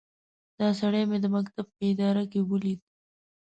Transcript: دا سړی مې د مکتب په اداره کې وليد.